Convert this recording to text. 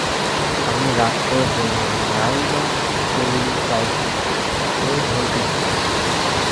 আমি রাগ করে বললুম, নাই বা করলি প্রায়শ্চিত্ত, তোর ভয় কিসের?